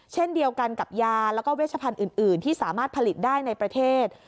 เช่นเดียวกันกับยาแล้วก็เวชพันธุ์อื่นที่สามารถผลิตได้ในประเทศ